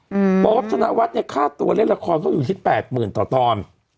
โป๊ปธนวัฒน์เนี่ยค่าตัวเล่นละครก็อยู่ที่แปดหมื่นต่อตอน